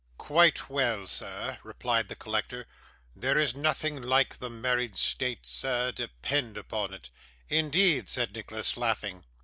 'Quite well, sir,' replied the collector. 'There is nothing like the married state, sir, depend upon it.' 'Indeed!' said Nicholas, laughing.